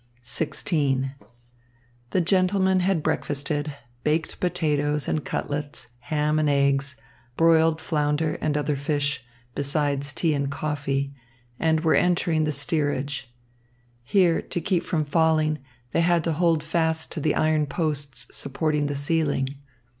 XVI The gentlemen had breakfasted baked potatoes and cutlets, ham and eggs, broiled flounder and other fish, beside tea and coffee and were entering the steerage. Here, to keep from falling, they had to hold fast to the iron posts supporting the ceiling.